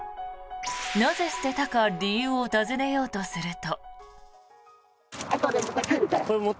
なぜ捨てたか理由を尋ねようとすると。